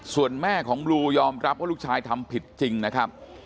ส่วนแม่ของบลูยอมรับว่าลูกชายทำผิดจริงนะครับ